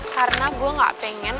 karena gue gak pengen